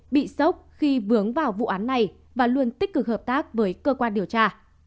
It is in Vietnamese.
bị sốc khi vướng vào vụ án này và luôn tích cực hợp tác với cơ quan điều tra